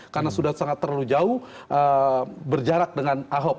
karena sudah sangat terlalu jauh berjarak dengan ahok